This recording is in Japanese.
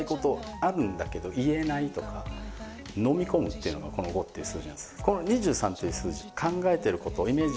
ていうのがこの５っていう数字なんです。